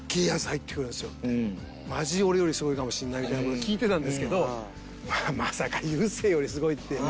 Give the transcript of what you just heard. マジ俺よりすごいかもしれないみたいな事聞いてたんですけど「まさか雄星よりすごいって」。